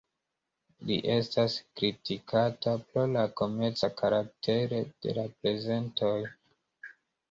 Li estas kritikata pro la komerca karaktero de la prezentoj.